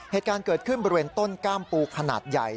เหตุการณ์เกิดขึ้นบริเวณต้นกล้ามปูขนาดใหญ่